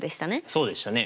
そうでしたね。